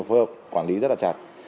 phù hợp quản lý rất là chặt